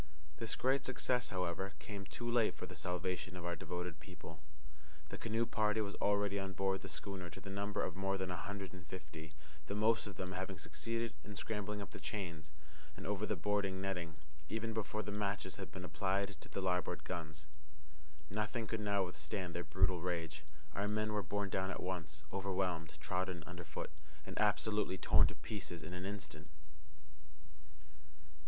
This great success, however, came too late for the salvation of our devoted people. The canoe party were already on board the schooner to the number of more than a hundred and fifty, the most of them having succeeded in scrambling up the chains and over the boarding netting even before the matches had been applied to the larboard guns. Nothing now could withstand their brute rage. Our men were borne down at once, overwhelmed, trodden under foot, and absolutely torn to pieces in an instant.